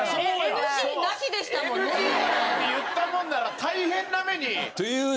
ＮＧなんて言ったもんなら大変な目に。